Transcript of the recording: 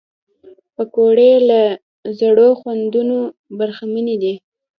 پکورې له زړو خوندونو برخمنې دي